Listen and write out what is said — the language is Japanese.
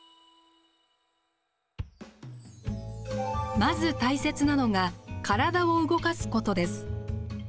まず大切なのが体を動かすことです。